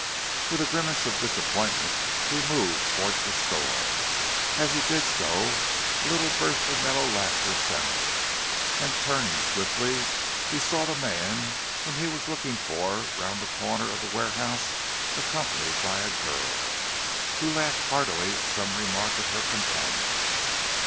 With a grimace of disappointment he moved towards the store. As he did so a little burst of mellow laughter sounded, and turning swiftly he saw the man whom he was looking for round the corner of the warehouse accompanied by a girl, who laughed heartily at some remark of her companion.